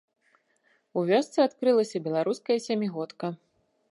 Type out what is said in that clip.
У вёсцы адкрылася беларуская сямігодка.